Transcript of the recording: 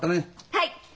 はい！